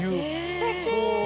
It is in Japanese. すてき！